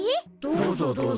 どうぞどうぞ。